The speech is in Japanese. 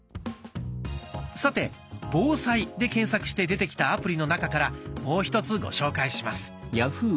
さて「防災」で検索して出てきたアプリの中からもう１つご紹介します。